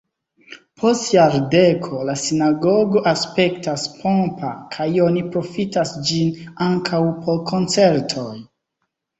Post jardeko la sinagogo aspektas pompa kaj oni profitas ĝin ankaŭ por koncertoj.